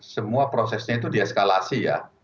semua prosesnya itu dieskalasi ya